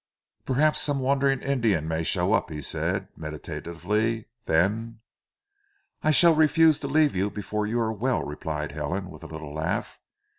"Perhaps some wandering Indian may show up," he said meditatively. "Then " "I shall refuse to leave you before you are well," replied Helen with a little laugh.